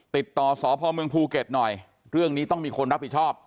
ติดต่อสพเมืองภูเก็ตหน่อยเรื่องนี้ต้องมีคนรับผิดชอบ